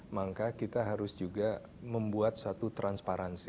maka kita harus juga membuat suatu transparansi